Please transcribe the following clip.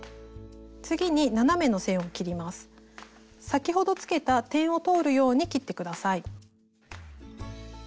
先ほどつけた点を通るように切って下さい。